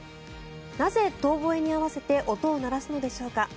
なぜ、遠ぼえに合わせて音を鳴らすのでしょうか。